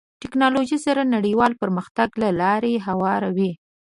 ټکنالوژي سره نړیوال پرمختګ ته لاره هواروي.